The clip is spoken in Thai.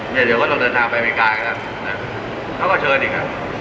เดี๋ยวผมจะเดินทางไปอเมริกาอีกแล้วเขาก็เชิญอีก